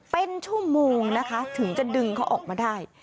เป็นชั่วโมงนะคะถึงจะดึงเขาออกมาได้